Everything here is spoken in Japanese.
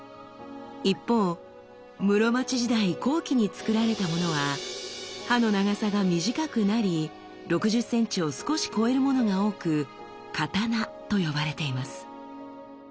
一方室町時代後期につくられたものは刃の長さが短くなり６０センチを少し超えるものが多く「刀」と呼ばれています。